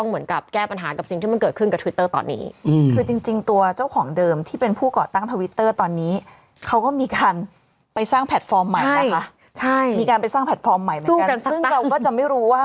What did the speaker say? มีการไปสร้างแพลตฟอร์มใหม่เหมือนกันซึ่งเราก็จะไม่รู้ว่า